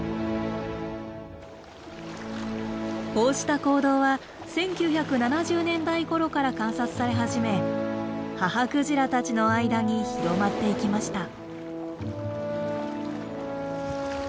こうした行動は１９７０年代ごろから観察され始め母クジラたちの間に広まっていきました。